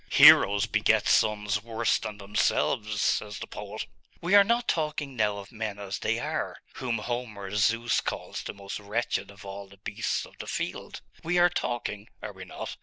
'Heroes beget sons worse than themselves, says the poet.' 'We are not talking now of men as they are, whom Homer's Zeus calls the most wretched of all the beasts of the field; we are talking are we not?